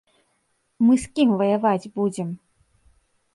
Мы з кім ваяваць будзем?